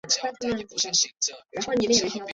巴德夫兰肯豪森是德国图林根州的一个市镇。